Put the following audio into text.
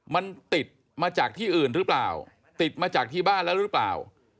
มันติดมาจากที่อื่นหรือเปล่าติดมาจากที่บ้านแล้วหรือเปล่า